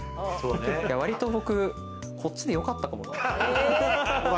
割と僕、こっちでよかったかもな。